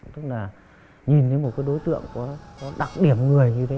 tức là nhìn đến một cái đối tượng có đặc điểm người như thế